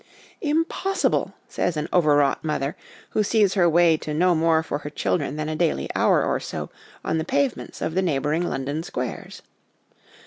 ' Impossible !' says an over wrought mother who sees her way to no more for her children than a daily hour or so on the pavements of the neighbouring London squares.